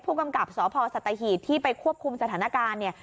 ผู้กำกับสพสัตหีบที่ไปควบคุมสถานการณ์เนี่ย